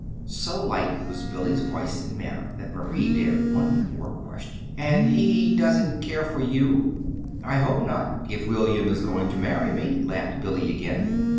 So light was Billy's voice and manner that Marie dared one more question. "And he doesn't care for you?" "I hope not if William is going to marry me," laughed Billy again.